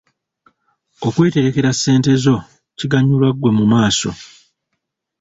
Okweterekera ssente zo kiganyula ggwe mu maaso.